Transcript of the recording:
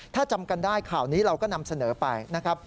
ถ้าจำกันได้ข่าวนี้เราก็นำเสนอไปนะครับ